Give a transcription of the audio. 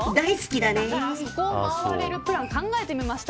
だからそこを回れるプランを考えてみました。